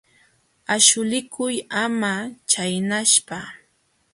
Aśhulikuy ama chaynaspa.